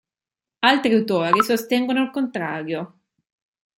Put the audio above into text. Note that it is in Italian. Altri autori sostengono il contrario.